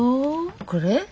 これ？